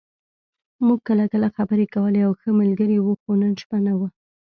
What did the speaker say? موږ کله کله خبرې کولې او ښه ملګري وو، خو نن شپه نه و.